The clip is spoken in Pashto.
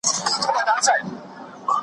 د ملا تر زړه وتلې د غم ستني .